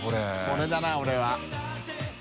これだな俺は。